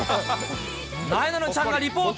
なえなのちゃんがリポート。